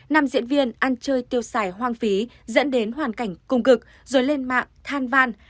nam diễn viên ăn chơi tiêu xài hoang phí dẫn đến hoàn cảnh cung cực rồi lên mạng than van